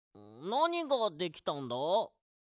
なにができたんだ？